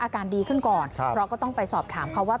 อาการดีขึ้นก่อนเราก็ต้องไปสอบถามเขาว่า